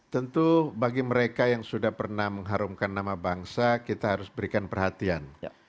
tentu bagi mereka yang sudah pernah mengharumkan nama bangsa kita harus berikan perhatian